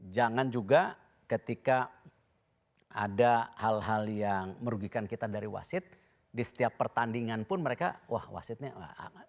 jangan juga ketika ada hal hal yang merugikan kita dari wasit di setiap pertandingan pun mereka wah wasitnya wah hangat